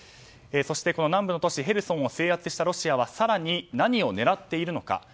そして、南部の都市ヘルソンを制圧したロシアは更に何を狙っているのか。